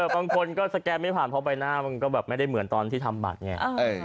บางคนก็สแกนไม่ผ่านเพราะใบหน้ามันก็แบบไม่ได้เหมือนตอนที่ทำบัตรไง